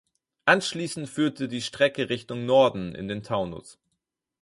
Anschließend führte die Strecke Richtung Norden in den Taunus.